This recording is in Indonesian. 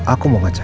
aku mau ngecek